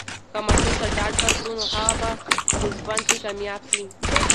که ماشوم ته ډاډ ورکړو، نو هغه به په ژوند کې کامیاب سي.